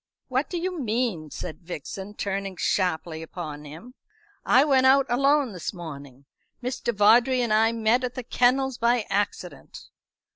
"What do you mean?" said Vixen, turning sharply upon him. "I went out alone this morning. Mr. Vawdrey and I met at the kennels by accident."